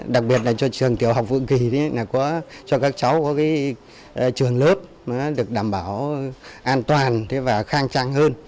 đặc biệt là cho trường tiểu học vượng kỳ có cho các cháu có cái trường lớp được đảm bảo an toàn và khang trang hơn